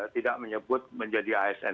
tidak menyebut menjadi asn